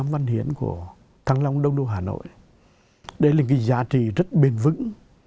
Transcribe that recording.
trong phát triển của thắng long đông đô hà nội đây là cái giá trị rất bền vững